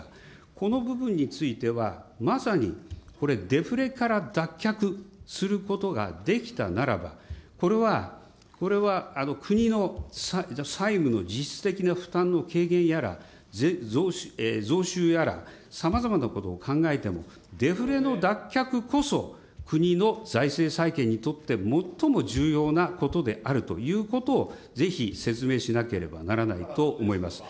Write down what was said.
この部分については、まさにこれ、デフレから脱却することができたならば、これは、これは国の債務の実質的な負担の軽減やら、増収やら、さまざまなことを考えても、デフレの脱却こそ国の財政再建にとって最も重要なことであるということをぜひ説明しなければならないと思います。